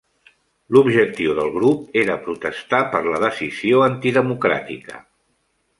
L'objectiu del grup era protestar per la decisió antidemocràtica.